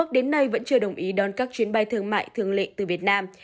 đến nay vẫn chưa đồng ý đón các chuyến bay thương mại thường lệ từ việt nam